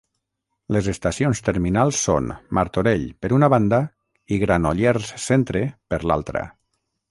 Les estacions terminals són Martorell, per una banda, i Granollers Centre, per l'altra.